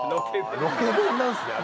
ロケ弁なんですねあれ。